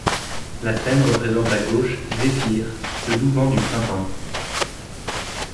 La scène représente à gauche Zéphyr, le doux vent du printemps.